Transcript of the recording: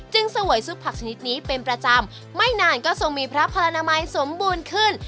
เสวยซุปผักชนิดนี้เป็นประจำไม่นานก็ทรงมีพระพลนามัยสมบูรณ์ขึ้น